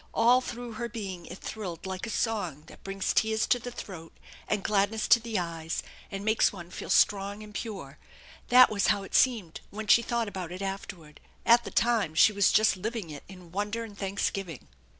All through her being it thrilled like a song that brings tears to the throat and gladness to the eyes, and makes one feel strong and pure. That was how it seemed when she thought about it afterward. At the time she was just living it in wonder and thanksgiving.